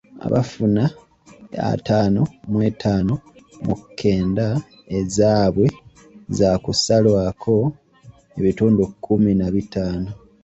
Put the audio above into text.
Abafuna ataano mw'etaano mu kenda ezaaabwe zaakusalwako ebitundu kumi na bitaano.